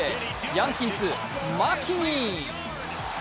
ヤンキース・マキニー。